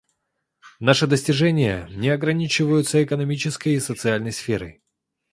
Наши достижения не ограничиваются экономической и социальной сферой.